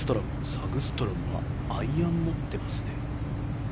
サグストロムはアイアンを持っていますね。